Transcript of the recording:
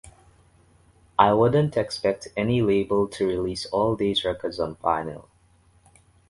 I wouldn’t expect any label to release all these records on vinyl.